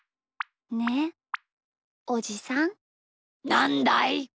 なんだい？